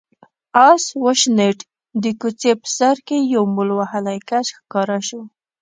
آس وشڼېد، د کوڅې په سر کې يو مول وهلی کس ښکاره شو.